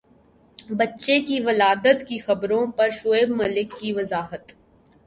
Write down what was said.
بچے کی ولادت کی خبروں پر شعیب ملک کی وضاحت